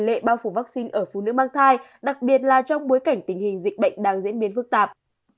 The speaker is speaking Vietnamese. tỷ lệ bao phủ vaccine ở phụ nữ mang thai đặc biệt là trong bối cảnh tình hình dịch bệnh đang diễn biến phức tạp